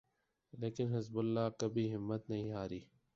لیکن Hezbollah کبھی ہمت نہیں ہاری۔